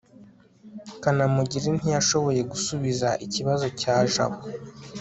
kanamugire ntiyashoboye gusubiza ikibazo cya jabo